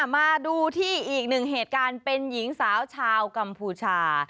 มาดูที่อีกหนึ่งเหตุการณ์เป็นหญิงสาวชาวกัมพูชา